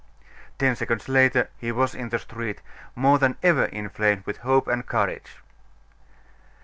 Ten seconds later he was in the street, more than ever inflamed with hope and courage.